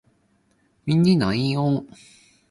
波譎雲詭